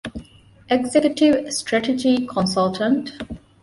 އެގްޒިޓް ސްޓްރެޓަޖީ ކޮންސަލްޓަންޓް